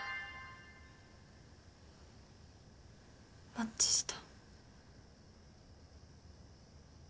マッチした。